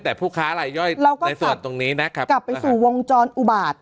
แต่ผู้ค้าลายย่อยในส่วนตรงนี้นะครับกลับไปสู่วงจรอุบาต